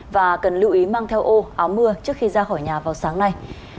và cần lưu ý mang theo ô áo mưa trước khi ra khỏi nhà vào sáng nay